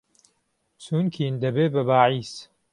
چوونکین دهبێ به باعیس